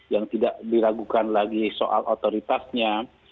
yang tidak diragukan lagi soal otoritasnya